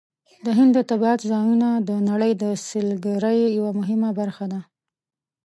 د هند د طبیعت ځایونه د نړۍ د سیلګرۍ یوه مهمه برخه ده.